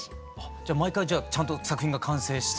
じゃあ毎回ちゃんと作品が完成して。